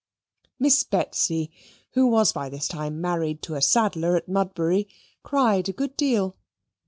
Miss Betsy, who was by this time married to a saddler at Mudbury, cried a good deal.